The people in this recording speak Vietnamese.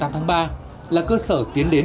hai mươi tám tháng ba là cơ sở tiến đến